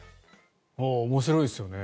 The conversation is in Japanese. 面白いですよね。